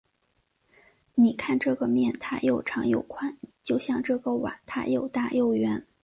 你看这个面，它又长又宽，就像这个碗，它又大又圆。